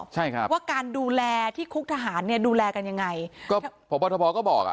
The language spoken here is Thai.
ใช่ครับว่าการดูแลที่คุกทหารเนี่ยดูแลกันยังไงก็พบทบก็บอกอ่ะ